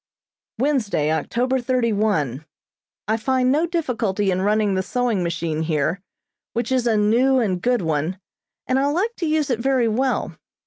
Wednesday, October thirty one: I find no difficulty in running the sewing machine here, which is a new and good one, and I like to use it very well.